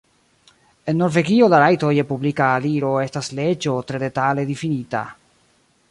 En Norvegio la rajto je publika aliro estas leĝo tre detale difinita.